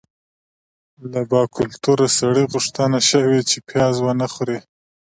له باکلتوره سړي غوښتنه شوې چې پیاز ونه خوري.